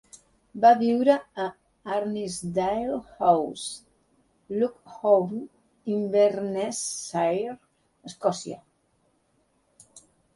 Va viure a Arnisdale House, Loch Hourn, Inverness-shire, Escòcia.